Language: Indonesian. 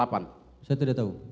saya tidak tahu